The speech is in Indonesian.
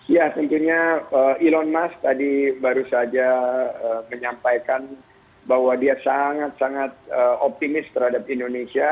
ya tentunya elon musk tadi baru saja menyampaikan bahwa dia sangat sangat optimis terhadap indonesia